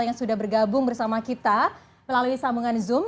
yang sudah bergabung bersama kita melalui sambungan zoom